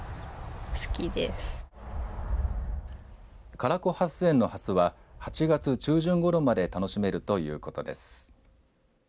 唐比ハス園のハスは８月中旬ごろまで楽しめるということです。